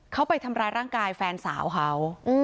เขาไปทำร้ายร่างกายแฟนสาวเขา